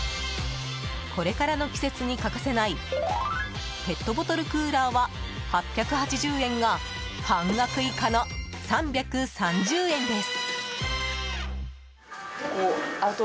これからの季節に欠かせないペットボトルクーラーは８８０円が半額以下の３３０円です。